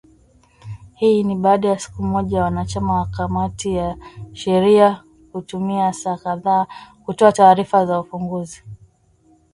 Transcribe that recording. Hii ni baada ya siku moja wanachama wa kamati ya sheria kutumia saa kadhaa kutoa taarifa za ufunguzi